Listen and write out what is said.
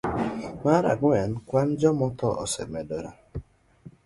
Mar ang'wen, kwan mag jomotho osemedore.